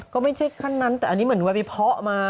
ก็ไม่ใช่ขั้นนั้นแต่อันนี้เหมือนว่าไปเพาะมา